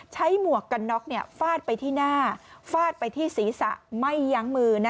หมวกกันน็อกฟาดไปที่หน้าฟาดไปที่ศีรษะไม่ยั้งมือ